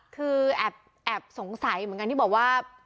คือแอบสงสัยเหมือนกันที่บอกว่า